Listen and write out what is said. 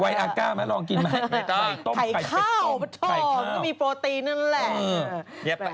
ไวอากาลล่ะลองกินมั้ยต้มไก่เผ็ดส้มไข่ข้าวมันก็มีโปรตีนนั่นแหละ